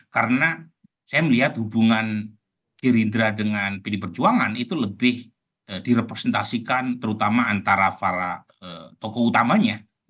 karena saya melihat hubungan gerindra dengan pilih perjuangan itu lebih direpresentasikan terutama antara para toko utamanya